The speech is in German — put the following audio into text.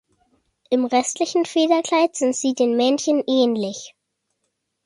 Im restlichen Federkleid sind sie den Männchen ähnlich.